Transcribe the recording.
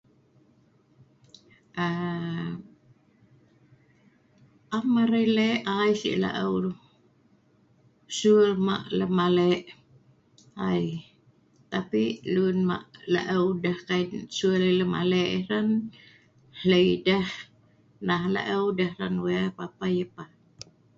Aa am arai le' ai' si' la'eu suel ma' lem'ale ai'. Tapi luen ma' la'eu deh kai suel deh lem'ale ai' hran hlei deh nah la'eu deh hran we', papah yah pah.